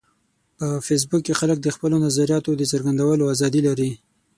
په فېسبوک کې خلک د خپلو نظریاتو د څرګندولو ازادي لري